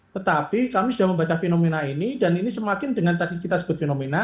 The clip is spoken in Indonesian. tetapi kami sudah membaca fenomena ini dan ini semakin dengan tadi kita sebut fenomena